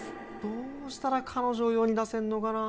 どうしたら彼女を世に出せんのかな